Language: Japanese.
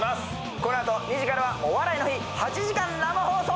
このあと２時からは「お笑いの日」８時間生放送。